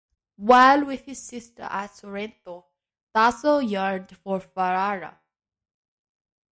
While with his sister at Sorrento, Tasso yearned for Ferrara.